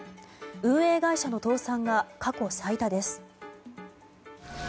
運営会社の倒産が過去最多です。